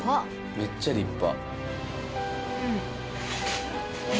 めっちゃ立派。